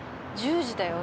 １０時だよ？